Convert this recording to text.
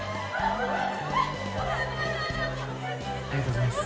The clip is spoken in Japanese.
ありがとうございます。